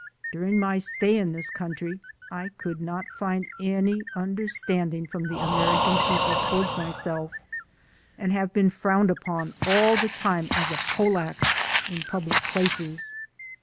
During my stay in this country, I could not find any understanding from the American people towards myself, and have been frowned upon all the time as a Tolack* in public places.